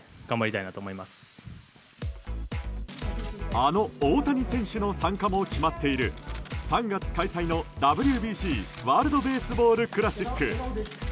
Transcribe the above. あの大谷選手の参加も決まっている３月開催のＷＢＣ・ワールド・ベースボール・クラシック。